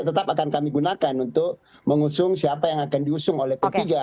tetap akan kami gunakan untuk mengusung siapa yang akan diusung oleh p tiga